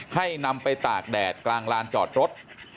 ให้นำไปตากแดดกลางลานจอดรถ